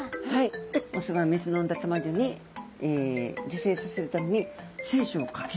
でオスはメスの産んだたまギョに受精させるために精子をかけるわけですね。